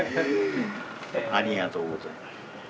ありがとうございます。